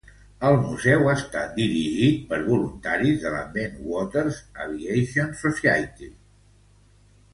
El museu està dirigit per voluntaris de la "Bentwaters Aviation Society".